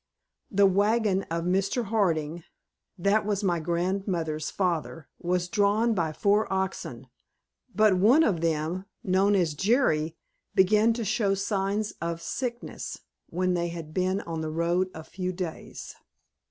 The wagon of Mr. Harding that was grandmother's father was drawn by four oxen, but of them, known as Jerry, began to show signs of sickness when they had been on the road a few days.